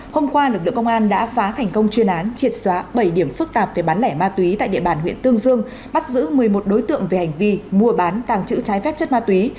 hôm qua lực lượng công an đã phá thành công chuyên án triệt xóa bảy điểm phức tạp về bán lẻ ma túy tại địa bàn huyện tương dương bắt giữ một mươi một đối tượng về hành vi mua bán tàng trữ trái phép chất ma túy